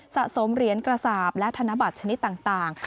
สะสมเหรียญกระสาปและธนบัตรชนิดต่าง